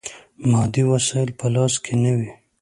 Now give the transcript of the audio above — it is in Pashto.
مادي وسایل په لاس کې نه وي.